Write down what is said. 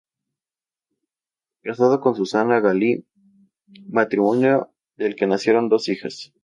Casado con Susana Galli, matrimonio del que nacieron dos hijas.